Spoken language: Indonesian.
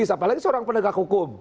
apalagi seorang pendegak hukum